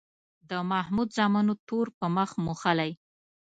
د محمود زامنو تور په مخ موښلی.